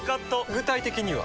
具体的には？